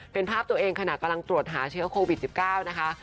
เป็นภาพตัวเองขณะกำลังตรวจหาเชื้อโควิด๑๙นะคะ